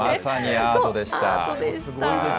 まさにアートでした。